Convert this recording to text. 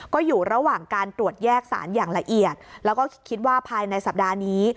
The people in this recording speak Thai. ก็อยู่ระหว่างการตรวจแยกสารอย่างละเอียดแล้วก็คิดว่าภายในสัปดาห์นี้